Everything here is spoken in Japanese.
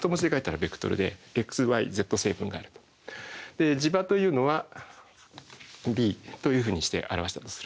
で磁場というのはＢというふうにして表したとする。